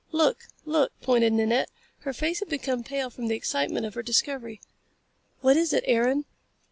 "Look! Look!" pointed Nanette. Her face had become pale from the excitement of her discovery. "What is it, Aaron?"